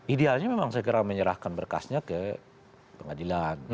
idealnya memang segera menyerahkan berkasnya ke pengadilan